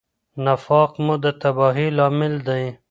نفاق مو د تباهۍ لامل دی.